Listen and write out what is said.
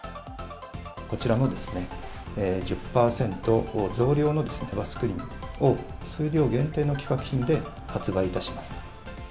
こちらの１０％増量のバスクリンを、数量限定の企画品で発売いたします。